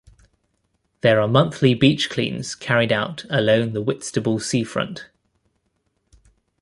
There are monthly beach cleans carried out alone the Whitstable sea front.